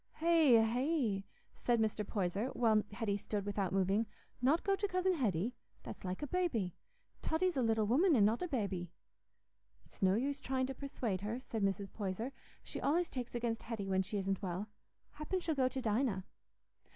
"Hey, hey," said Mr. Poyser, while Hetty stood without moving, "not go to Cousin Hetty? That's like a babby. Totty's a little woman, an' not a babby." "It's no use trying to persuade her," said Mrs. Poyser. "She allays takes against Hetty when she isn't well. Happen she'll go to Dinah."